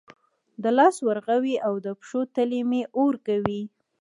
د لاسو ورغوي او د پښو تلې مې اور کوي